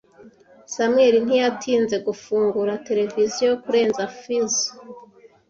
Samuel ntiyatinze gufungura televiziyo kurenza fuse.